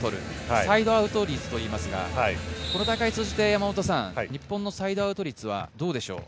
サイドアウト率といいますが、日本のサイドアウト率はどうでしょう？